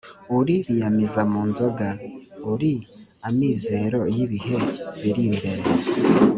uri biyamiza mu nzoza: uri amizero y’ibihe biri imbere